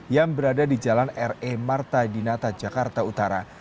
yang berada di jalan re marta dinata jakarta utara